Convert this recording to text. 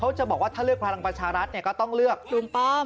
จะบอกว่าถ้าเลือกพลังประชารัฐเนี่ยก็ต้องเลือกลุงป้อม